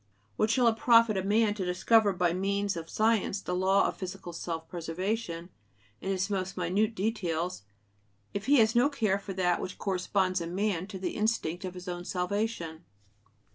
What shall it profit man to discover by means of science the law of physical self preservation in its most minute details, if he has no care for that which corresponds in man to the "instinct" of his own salvation?